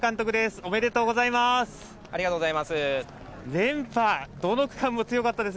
おめでとうございます。